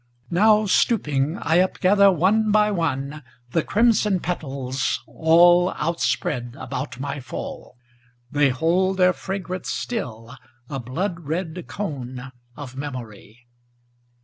Now, stooping, I upgather, one by one, The crimson petals, all Outspread about my fall. They hold their fragrance still, a blood red cone Of memory.